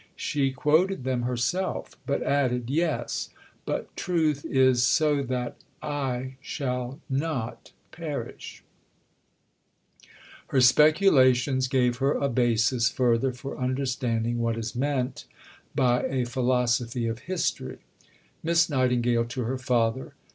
She quoted them herself, but added, "Yes; but Truth is so that 'I' shall not perish." Letters of Benjamin Jowett, 1899, p. 245. Her speculations gave her a basis, further, for understanding what is meant by a philosophy of history: (_Miss Nightingale to her Father.